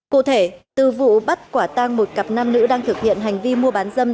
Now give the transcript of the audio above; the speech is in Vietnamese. cụ thể từ vụ bắt quả tang một cặp nam nữ đang thực hiện hành vi mua bán dâm